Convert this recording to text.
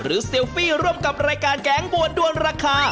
เซลฟี่ร่วมกับรายการแกงบวนด้วนราคา